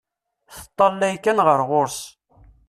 Teṭṭalay kan ɣer ɣur-s.